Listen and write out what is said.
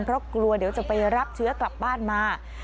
เพราะกลัวเดี๋ยวจะไปรับเชื้อกลับบ้านมา